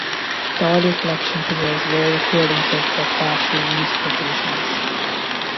The audio collection preserves rare recordings of Bektashi musical traditions.